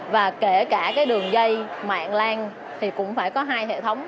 và kể cả cái đường dây mạng lan thì cũng phải có hai hệ thống